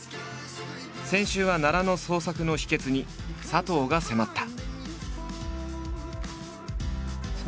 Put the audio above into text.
先週は奈良の創作の秘訣に佐藤が迫った。